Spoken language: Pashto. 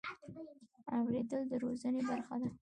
اورېدل د روزنې برخه ده.